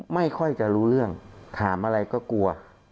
ไม่ค่อยจะรู้เรื่องถามอะไรก็กลัว